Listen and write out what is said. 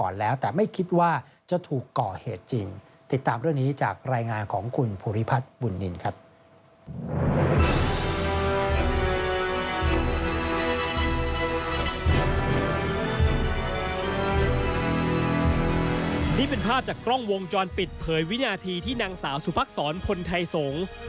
นี่เป็นภาพจากกล้องวงจรปิดเผยวินาทีที่นางสาวสุภักษรพลไทยสงฆ์